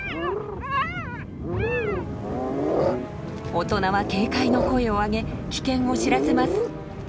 大人は警戒の声を上げ危険を知らせます。